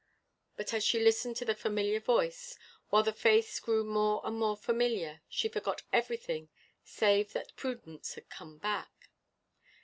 But, as she listened to the familiar voice, while the face grew more and more familiar, she forgot everything save that Prudence had come back.